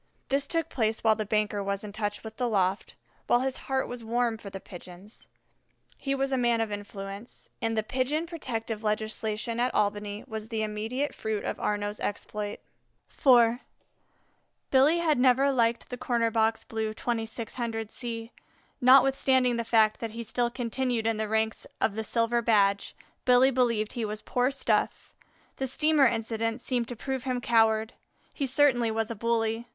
This took place while the banker was in touch with the loft, while his heart was warm for the Pigeons. He was a man of influence, and the Pigeon Protective legislation at Albany was the immediate fruit of Arnaux's exploit. IV Billy had never liked the Corner box Blue (2600 C); notwithstanding the fact that he still continued in the ranks of the Silver Badge, Billy believed he was poor stuff. The steamer incident seemed to prove him coward; he certainly was a bully.